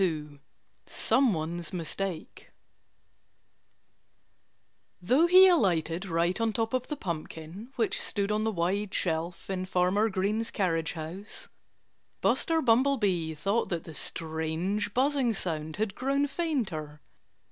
XXII SOMEONE'S MISTAKE Though he alighted right on top of the pumpkin, which stood on the wide shelf in Farmer Green's carriage house, Buster Bumblebee thought that the strange buzzing sound had grown fainter.